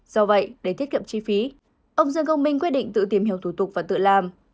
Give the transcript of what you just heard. do vậy để tiết kiệm chi phí ông dương công minh quyết định tự tìm hiểu thủ tục và tự làm